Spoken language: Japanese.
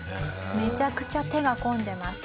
めちゃくちゃ手が込んでます。